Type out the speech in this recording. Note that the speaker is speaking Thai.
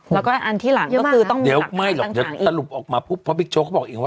แล้วก็อันที่หลังเกิดก็ต้องมีหลักความต่าง